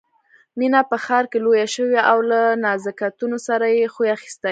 مينه په ښار کې لويه شوې او له نزاکتونو سره يې خوی اخيستی